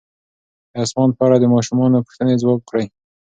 د اسمان په اړه د ماشومانو پوښتنې ځواب کړئ.